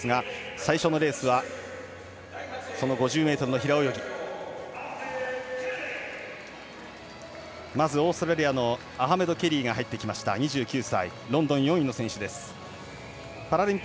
最初のレースはその５０ｍの平泳ぎまずオーストラリアのアハメド・ケリーが入ってきました、２９歳。